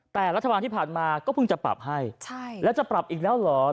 แต่รัฐบาลที่ผ่านมาก็เพิ่งจะปรับให้ใช่แล้วจะปรับอีกแล้วเหรอ